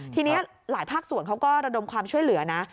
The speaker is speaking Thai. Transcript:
ทีนี้หลายภาคส่วนเขาก็ระดมความช่วยเหลือนะ